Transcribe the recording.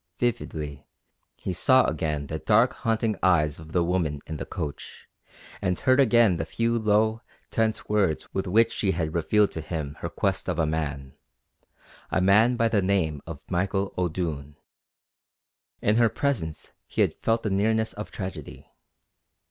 Vividly he saw again the dark, haunting eyes of the woman in the coach, and heard again the few low, tense words with which she had revealed to him her quest of a man a man by the name of Michael O'Doone. In her presence he had felt the nearness of tragedy.